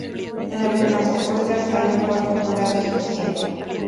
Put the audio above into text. En algunas apuestas hay un cuarto jurado especial